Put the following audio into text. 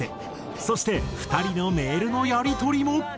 そして２人のメールのやり取りも。